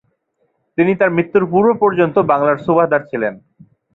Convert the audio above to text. তিনি তার মৃত্যুর পূর্ব পর্যন্ত বাংলার সুবাহদার ছিলেন।